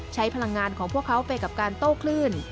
ใช้พลังงานของพวกเขาไปกับการโต้คลื่น